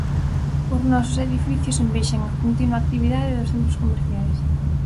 Os nosos edificios "envexan" a continua actividade dos centros comerciais.